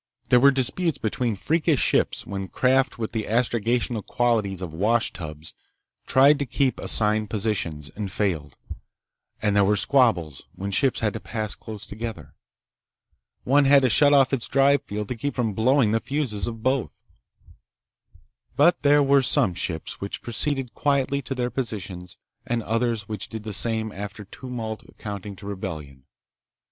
There were disputes between freakish ships when craft with the astrogational qualities of washtubs tried to keep assigned positions, and failed, and there were squabbles when ships had to pass close together. One had to shut off its drive field to keep from blowing the fuses of both. But there were some ships which proceeded quietly to their positions and others which did the same after tumult amounting to rebellion.